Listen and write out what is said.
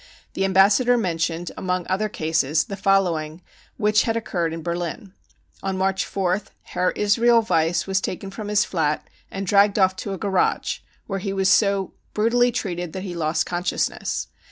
The Ambassador mentioned among other cases the following which had occurred in Berlin. On March 4th Herr Israel Weiss was taken from his flat and dragged off to a garage, where he was so brutally treated that he lost consciousness.